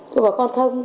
cứ bảo con không